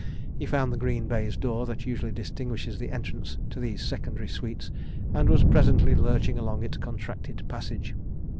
He found the green baize door that usually distinguishes the entrance to these secondary suites, and was presently lurching along its contracted passage.